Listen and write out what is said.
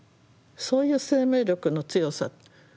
そういう生命力の強さ。